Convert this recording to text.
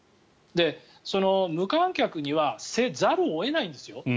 無観客にはせざるを得ないんですよ。